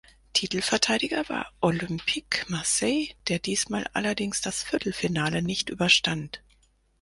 Titelverteidiger war Olympique Marseille, der diesmal allerdings das Viertelfinale nicht überstand.